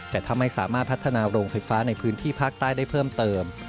แต่ถ้าไม่สามารถพัฒนาโรงไฟฟ้าในพื้นที่ภาคใต้ได้เพิ่มเติม